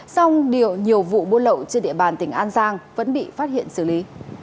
xong điều nhiều vụ buôn lậu trên địa bàn tỉnh an giang vẫn bị phát hiện xử lý